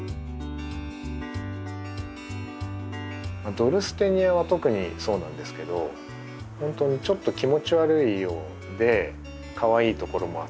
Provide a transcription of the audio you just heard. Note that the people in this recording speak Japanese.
ドルステニアは特にそうなんですけどほんとにちょっと気持ち悪いようでかわいいところもあって。